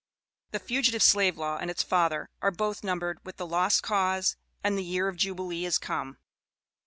The Fugitive Slave Law and its Father are both numbered with the "Lost Cause," and the "Year of Jubilee has come."